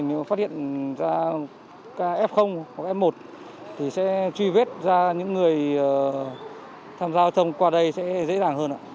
nếu phát hiện ra f hoặc f một thì sẽ truy vết ra những người tham gia thông qua đây sẽ dễ dàng hơn ạ